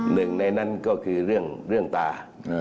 หนึ่งในนั้นก็คือเรื่องตา